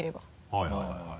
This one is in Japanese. はいはい。